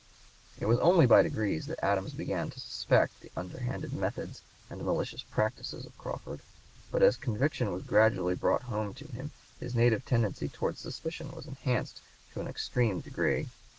It was only by degrees that Adams began to suspect the underhand methods and malicious practices of Crawford; but as conviction was gradually brought home to him his native tendency towards suspicion was enhanced to an extreme degree.